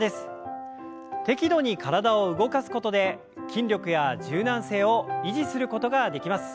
適度に体を動かすことで筋力や柔軟性を維持することができます。